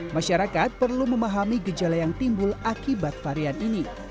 masyarakat perlu memahami gejala yang timbul akibat varian ini